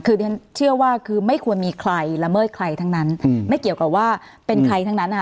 คือดิฉันเชื่อว่าคือไม่ควรมีใครละเมิดใครทั้งนั้นไม่เกี่ยวกับว่าเป็นใครทั้งนั้นอ่ะ